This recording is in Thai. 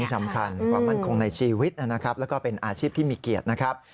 สำคัญความมั่นคงในชีวิตนะครับแล้วก็เป็นอาชีพที่มีเกียรตินะครับ